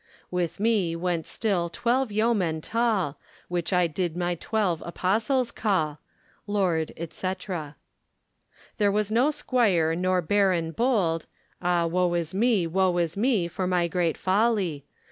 With me went still twelve yeomen tall, Which I did my twelve Apostles call. Lord, &c. There was no squire nor barron bold, Ah woe is me, woe is me, for my great folly!